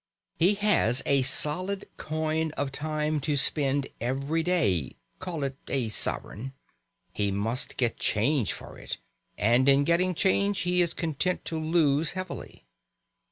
He has a solid coin of time to spend every day call it a sovereign. He must get change for it, and in getting change he is content to lose heavily.